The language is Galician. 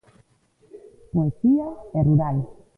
'Poesía e rural'.